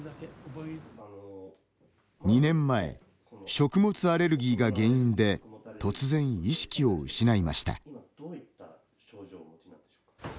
２年前、食物アレルギーが原因で突然、意識を失いました。